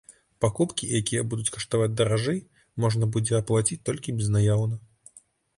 Пакупкі, якія будуць каштаваць даражэй, можна будзе аплаціць толькі безнаяўна.